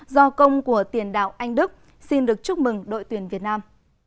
do công của tiền đạo anh đức xin được chúc mừng đội tuyển việt nam